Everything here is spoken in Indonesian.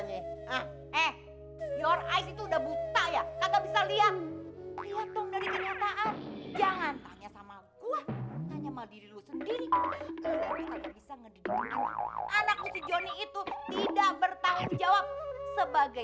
nih anak lo si johnny itu kurang gigih kurang semangat